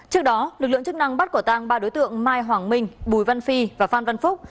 trước đó lực lượng chức năng bắt quả tang ba đối tượng mai hoàng minh bùi văn phi và phan văn phúc